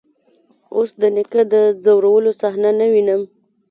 اوس د نيکه د ځورولو صحنه نه وينم.